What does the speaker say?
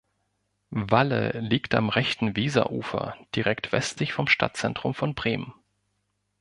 Walle liegt am rechten Weserufer direkt westlich vom Stadtzentrum von Bremen.